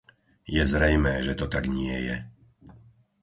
Je zrejmé, že to tak nie je.